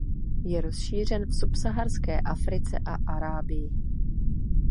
Je rozšířen v subsaharské Africe a Arábii.